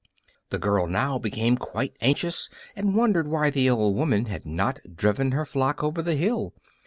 The girl now became quite anxious, and wondered why the old woman had not driven her flock over the hill.